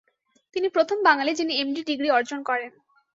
তিনি প্রথম বাঙালি যিনি এম.ডি ডিগ্রি অর্জন করেন।